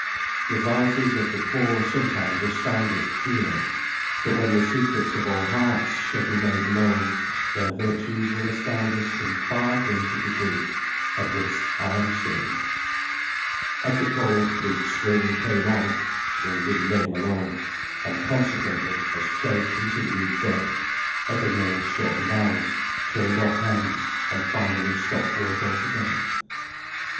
The vices of the poor sometimes astound us here; but when the secrets of all hearts shall be made known, their virtues will astound us in far greater degree. Of this I am certain. As the cold bleak spring came on (spring, in name alone), and consequently as trade continued dead, other mills shortened hours, turned off hands, and finally stopped work altogether.